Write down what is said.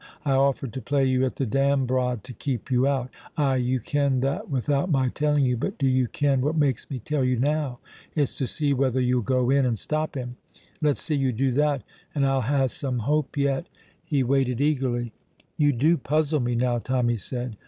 I offered to play you at the dambrod to keep you out. Ay, you ken that without my telling you, but do you ken what makes me tell you now? It's to see whether you'll go in and stop him; let's see you do that, and I'll hae some hope yet." He waited eagerly. "You do puzzle me now," Tommy said.